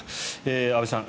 安部さん